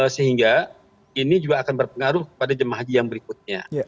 sehingga ini juga akan berpengaruh kepada jemaah haji yang berikutnya